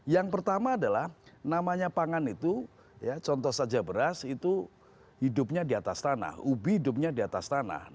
yang pertama adalah namanya pangan itu contoh saja beras hidupnya di atas tanah ubi hidupnya diatastanah